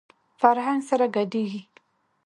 فرهنګ سره ګډېږي.